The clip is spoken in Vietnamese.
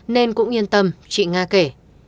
nên cũng yên tâm chị nga kể